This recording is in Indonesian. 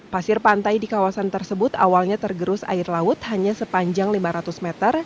pasir pantai di kawasan tersebut awalnya tergerus air laut hanya sepanjang lima ratus meter